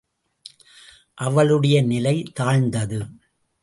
அவளுடைய நிலை தாழ்ந்தது.